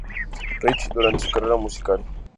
Rich durante su carrera musical.